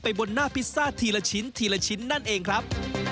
บนหน้าพิซซ่าทีละชิ้นทีละชิ้นนั่นเองครับ